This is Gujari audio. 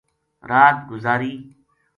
رات گزاری